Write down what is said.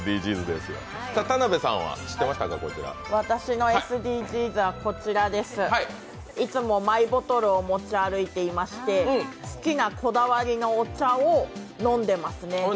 私のＳＤＧｓはこちらです、いつもマイボトルを持ち歩いていまして好きなこだわりのお茶を飲んでますね。